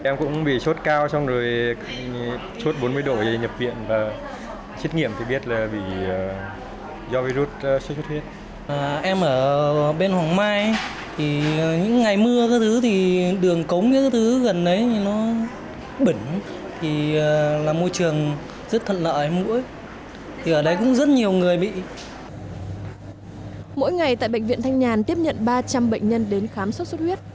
mỗi ngày tại bệnh viện thanh nhàn tiếp nhận ba trăm linh bệnh nhân đến khám xuất xuất huyết